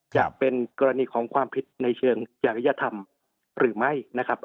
จะเป็นกรณีของความผิดในเชิงจริยธรรมหรือไม่นะครับ